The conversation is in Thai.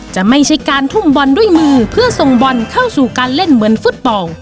จะไม่ใช่การทุ่มบอลด้วยมือเพื่อส่งบอลเข้าสู่การเล่นเหมือนฟุตบอล